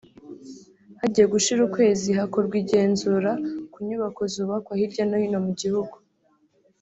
Hagiye gushira ukwezi hakorwa igenzura ku nyubako zubakwa hirya no hino mu gihugu